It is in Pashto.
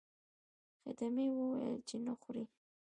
خدمې وویل چې نه خورئ.